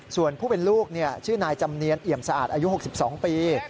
ส่วนผู้เป็นลูกชื่อนายจำเนียนเอี่ยมสะอาดอายุ๖๒ปี